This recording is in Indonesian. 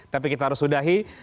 tapi kita harus sudahi